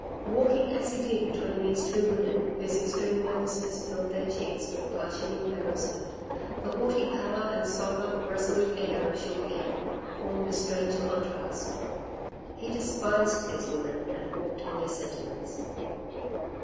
Walking as he did between these two women whose extreme nervousness filled their cheeks with a blushing embarrassment, the haughty pallor and sombre, resolute air of Julien formed a strange contrast. He despised these women and all tender sentiments.